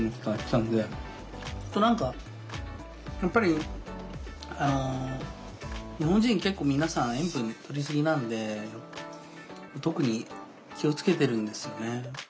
あと何かやっぱり日本人結構皆さん塩分とりすぎなんで特に気をつけてるんですよね。